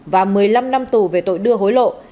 và một mươi năm năm tù về tội đưa hối lộ